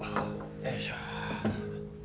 よいしょ。